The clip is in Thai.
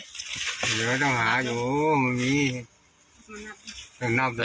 เหลือต้องหาอยู่ไม่มี